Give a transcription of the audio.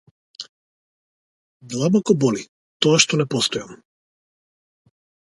Длабоко боли тоа што не постојам.